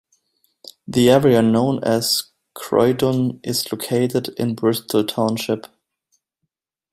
The area known as Croydon is located in Bristol Township.